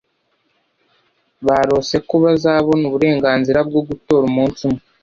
barose ko bazabona uburenganzira bwo gutora umunsi umwe